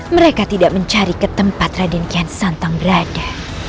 mereka tidak mencari ke tempat raden ken santang berada